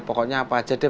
pokoknya apa aja deh